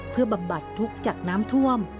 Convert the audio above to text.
เพื่อบำบัดทุกข์จากน้ำท่วม